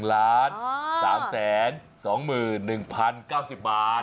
๑ล้าน๓แสน๒หมื่น๑พัน๙๐บาท